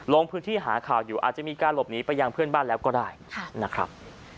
ลงพื้นที่หาข่าวอยู่อาจจะมีการหลบหนีไปยังเพื่อนบ้านแล้วก็ได้นะครับ